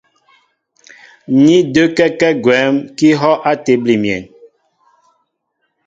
Ní də́kɛ́kɛ́ gwɛ̌m kɛ́ ihɔ́' á tébili myéŋ.